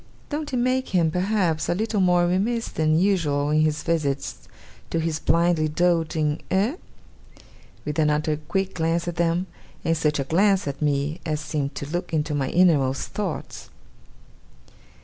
Don't it make him, perhaps, a little more remiss than usual in his visits to his blindly doting eh?' With another quick glance at them, and such a glance at me as seemed to look into my innermost thoughts.